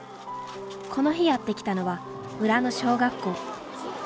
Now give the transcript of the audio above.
この日やって来たのは村の小学校。